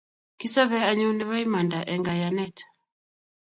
Kisobei anyun nebo imanda eng kayanet